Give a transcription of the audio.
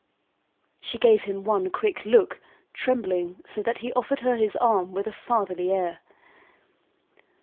She gave him one quick look, trembling so that he offered her his arm with a fatherly air.